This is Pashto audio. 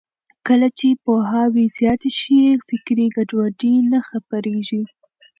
کله چې پوهاوی زیات شي، فکري ګډوډي نه خپرېږي.